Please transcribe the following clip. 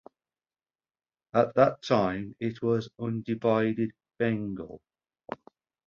At that time it was undivided Bengal.